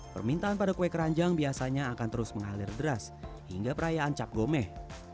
permintaan pada kue keranjang biasanya akan terus mengalir deras hingga perayaan cap gomeh